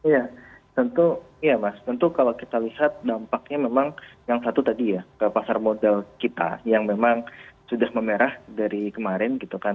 ya tentu iya mas tentu kalau kita lihat dampaknya memang yang satu tadi ya pasar modal kita yang memang sudah memerah dari kemarin gitu kan